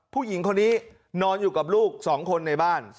ผู้หญิงคนนี้นอนอยู่กับลูก๒คนในบ้าน